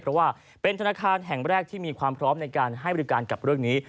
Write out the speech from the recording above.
เพราะว่าเป็นธนาคารแห่งแรกที่มีความพร้อมในการให้บริการกับเรื่องนี้